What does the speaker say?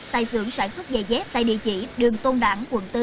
tại xưởng sản xuất giày dép tại địa chỉ đường tôn đảng quận bốn